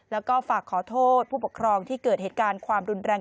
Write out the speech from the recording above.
แล้วก็ฝากขอโทษผู้ปกครองที่เกิดเหตุการณ์ความรุนแรง